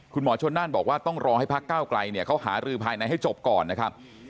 คุณหมอชนน่านบอกว่าต้องรอให้พักเก้าไกลเนี่ยเขาหารือภายในให้จบก่อนนะครับ